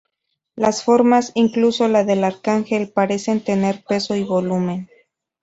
Las formas, incluso la del arcángel, parecen tener peso y volumen.